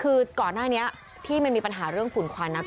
คือก่อนหน้านี้ที่มันมีปัญหาเรื่องฝุ่นควัน